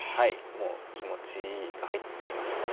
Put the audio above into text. もう気持ちが入っていましたね。